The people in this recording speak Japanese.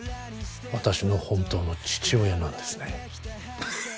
私の本当の父親なんですね